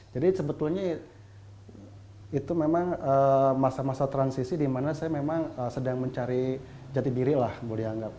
jadi sebetulnya itu memang masa masa transisi di mana saya memang sedang mencari jati diri lah boleh dianggap